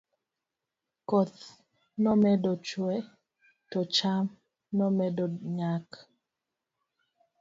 koth nomedo chuwe to cham nomedo nyak